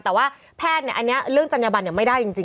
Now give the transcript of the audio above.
แต่ว่าแพทย์อันนี้เรื่องจัญญบันไม่ได้จริง